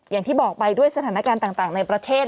อย่างที่บอกไปด้วยสถานการณ์ต่างในประเทศ